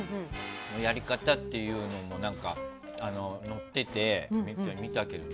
やり方っていうのも載ってて、見たけど。